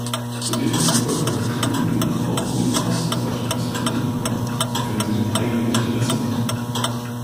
Zudem sind Übergangsbestimmungen auch in den Ost-Erweiterungsländern willkommen, sofern sie den eigenen Interessen dienen.